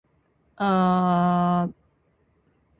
案が底をつきました。